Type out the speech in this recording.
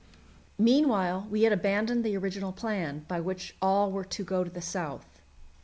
Meanwhile we had abandoned the original plan, by which all were to go to the south.